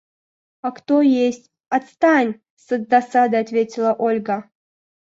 – А кто есть? – Отстань! – с досадой ответила Ольга.